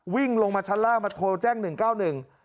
วิ่งลงมาชั้นล่างมาโทรแจ้ง๑๙๑